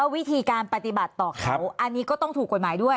วิธีการปฏิบัติต่อเขาอันนี้ก็ต้องถูกกฎหมายด้วย